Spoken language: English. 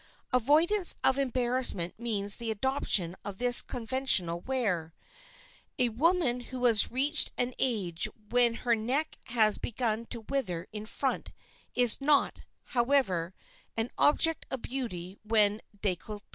Avoidance of embarrassment means the adoption of this conventional wear. A woman who has reached an age when her neck has begun to wither in front is not, however, an object of beauty when décolleté.